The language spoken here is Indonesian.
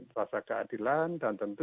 rasa keadilan dan tentu